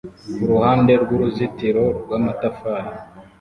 kuruhande rwuruzitiro rwamatafari